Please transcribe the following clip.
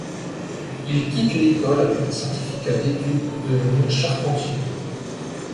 Il quitte l'école avec un certificat d'études pour devenir charpentier.